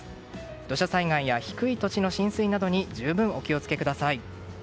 土砂災害や低い土地の浸水などに十分にお気を付けください。